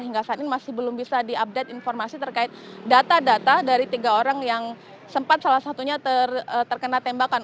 hingga saat ini masih belum bisa diupdate informasi terkait data data dari tiga orang yang sempat salah satunya terkena tembakan